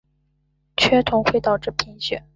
缺铜会导致贫血。